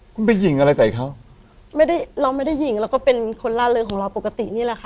คุณไปยิงอะไรใส่เขาไม่ได้เราไม่ได้ยิงเราก็เป็นคนล่าเริงของเราปกตินี่แหละค่ะ